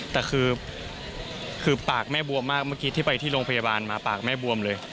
แต่คือปากแม่บวมมากเมื่อกี้ที่ไปที่โรงพยาบาลมาปากแม่บวมเลย